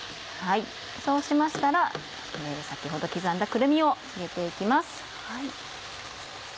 そうしましたら先ほど刻んだくるみを入れて行きます。